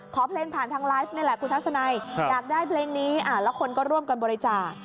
เพลงผ่านทางไลฟ์นี่แหละคุณทัศนัยอยากได้เพลงนี้แล้วคนก็ร่วมกันบริจาค